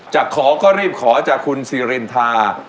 จะขอก็รีบขอจากคุณซีรินทา